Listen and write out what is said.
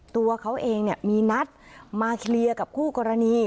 ตัวเขาเองมีนัดมาเคลียร์กับคู่กรณี